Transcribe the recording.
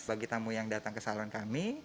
bagi tamu yang datang ke salon kami